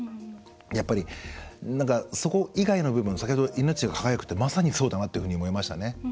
やっぱり、そこ以外の部分先ほど、命が輝くってありましたけどまさにそうだなっていうふうに思いましたね。